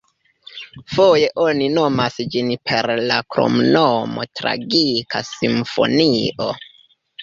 Foje oni nomas ĝin per la kromnomo „tragika simfonio“.